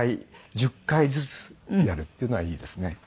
１日２回１０回ずつやるっていうのがいいですね。